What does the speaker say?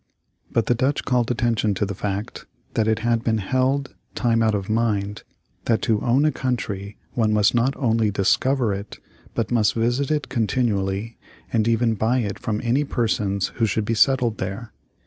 But the Dutch called attention to the fact that it had been held, time out of mind, that to own a country one must not only discover it, but must visit it continually, and even buy it from any persons who should be settled there.